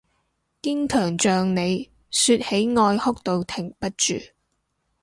堅強像你，說起愛哭到停不住